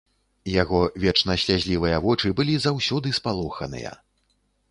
Яго вечна слязлівыя вочы былі заўсёды спалоханыя.